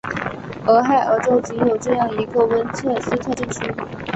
俄亥俄州仅有这一个温彻斯特镇区。